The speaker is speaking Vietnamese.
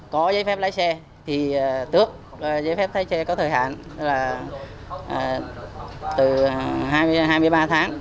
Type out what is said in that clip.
có giấy phép lái xe thì tước giấy phép lái xe có thời hạn là từ hai mươi ba tháng